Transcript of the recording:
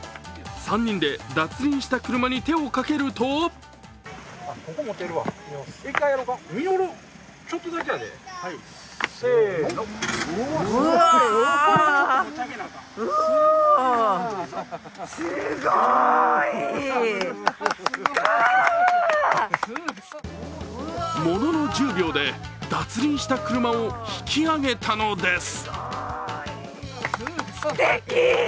３人で脱輪した車に手をかけるとものの１０秒で脱輪した車を引き上げたのです。